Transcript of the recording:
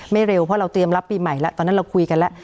เร็วเพราะเราเตรียมรับปีใหม่แล้วตอนนั้นเราคุยกันแล้ว